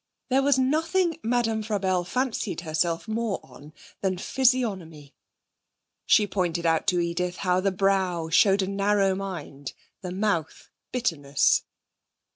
There was nothing Madame Frabelle fancied herself more on than physiognomy. She pointed out to Edith how the brow showed a narrow mind, the mouth bitterness.